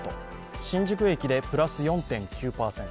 新宿駅でプラス４．９％